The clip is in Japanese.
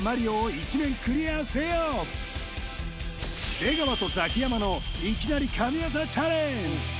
出川とザキヤマのいきなり神業チャレンジ